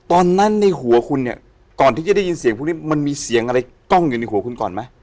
ในหัวคุณเนี่ยก่อนที่จะได้ยินเสียงพวกนี้มันมีเสียงอะไรกล้องอยู่ในหัวคุณก่อนไหม